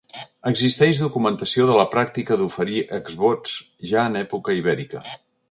Existeix documentació de la pràctica d'oferir exvots ja en època ibèrica.